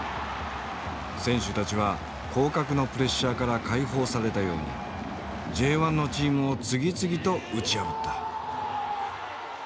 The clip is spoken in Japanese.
選手たちは降格のプレッシャーから解放されたようにＪ１のチームを次々と打ち破った。